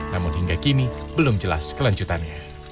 namun hingga kini belum jelas kelanjutannya